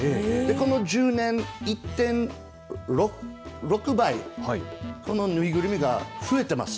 この１０年、１．６倍この縫いぐるみが増えてます。